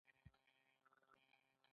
هغه خپله د پیسو پانګه په مولده پانګه بدلوي